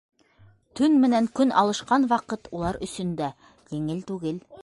Төн менән көн алышҡан ваҡыт улар өсөн дә еңел түгел...